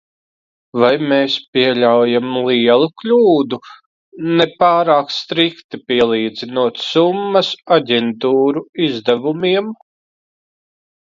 Vai mēs pieļaujam lielu kļūdu, ne pārāk strikti pielīdzinot summas aģentūru izdevumiem?